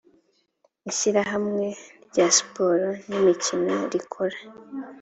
ishyirahamwe rya siporo n imikino rikora